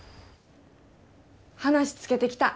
話つけてきた。